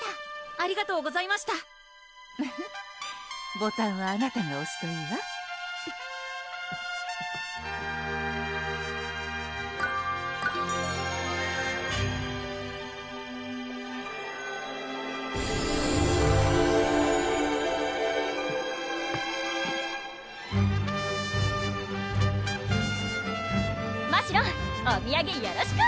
ありがとうございましたボタンはあなたがおすといいわましろんお土産よろしく！